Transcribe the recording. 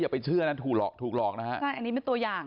อย่าไปเชื่อถูกหลอกถูกหลอกนะครับอันนี้ไม่ตัวอย่าง